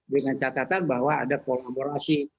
dengan catatan bahwa ada kolaborasi